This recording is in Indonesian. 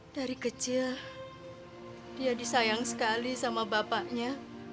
dari kecil dia disayang sekali sama bapaknya